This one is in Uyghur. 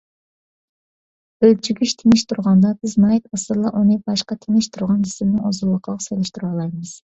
ئۆلچىگۈچ تىنچ تۇرغاندا، بىز ناھايىتى ئاسانلا ئۇنى باشقا تىنچ تۇرغان جىسىمنىڭ ئۇزۇنلۇقىغا سېلىشتۇرالايمىز.